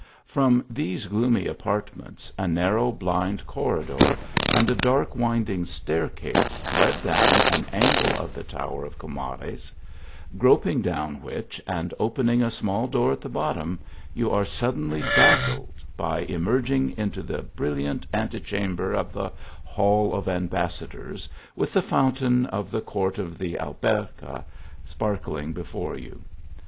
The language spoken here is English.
From these gloomy apart ments, a narrow blind corridor and a. dark winding staircase led down an angle of the tower of Co mares ; groping down which, and opening a small door at the bottom, you are suddenly dazzled by emerging into the brilliant antechamber of the hall of ambassadors, with the fountain of the court of the Alberca sparkling before you.